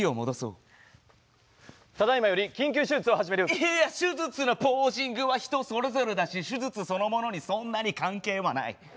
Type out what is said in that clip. いや手術のポージングは人それぞれだし手術そのものにそんなに関係はない。